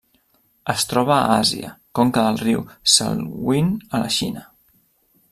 Es troba a Àsia: conca del riu Salween a la Xina.